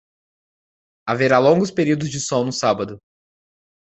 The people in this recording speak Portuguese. Haverá longos períodos de sol no sábado.